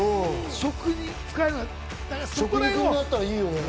食肉になったらいいよね。